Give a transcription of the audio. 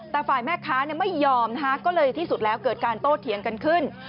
แต่ฝ่ายแม่ค้าไม่ยอมนะคะก็เลยที่สุดแล้วเกิดการโต้เถียงกันขึ้น